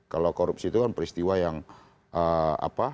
kalau korupsi itu kan peristiwa yang apa